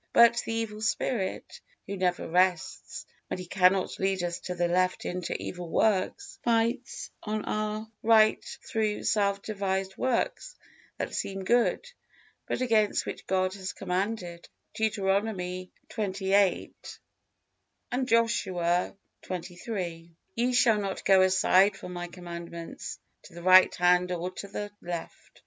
But the evil spirit, who never rests, when he cannot lead us to the left into evil works, fights on our right through self devised works that seem good, but against which God has commanded, Deuteronomy xxviii, and Joshua xxiii, "Ye shall not go aside from My commandments to the right hand or to the left."